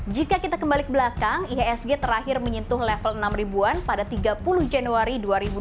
jika kita kembali ke belakang ihsg terakhir menyentuh level enam ribuan pada tiga puluh januari dua ribu dua puluh